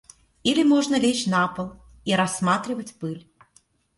Или можно лечь на пол и рассматривать пыль.